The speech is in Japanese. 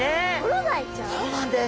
そうなんです。